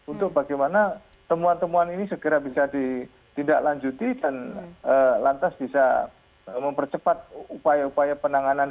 untuk bagaimana temuan temuan ini segera bisa ditindaklanjuti dan lantas bisa mempercepat upaya upaya penanganan